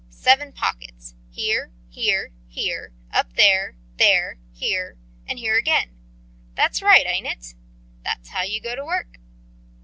Seven pockets: here, here, here, up there, there, here and here again. That's right, ain't it? That's how you go to work."